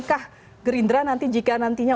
kah gerindra nanti jika